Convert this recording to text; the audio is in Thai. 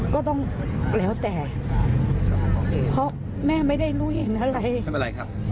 ก็แล้วแต่เพราะแม่ไม่ได้รู้เห็นอะไรไม่เป็นไรครับ